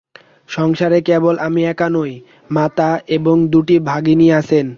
সংসারে কেবল আমি একা নই, মাতা এবং দুটি ভগিনী আছেন।